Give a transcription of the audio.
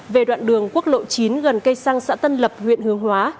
về đoạn đường quốc lộ chín gần cây xăng xã tân lập huyện hương hóa